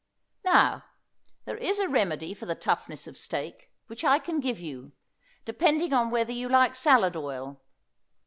Now, there is a remedy for the toughness of steak, which I can give you, depending upon whether you like salad oil.